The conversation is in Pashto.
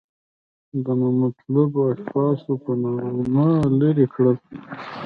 د نامطلوبو اشخاصو په نامه لرې کړل.